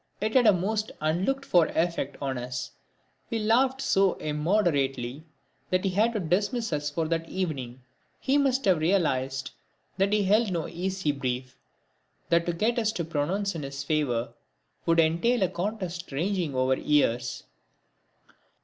It had a most unlooked for effect on us. We laughed so immoderately that he had to dismiss us for that evening. He must have realised that he held no easy brief that to get us to pronounce in his favour would entail a contest ranging over years.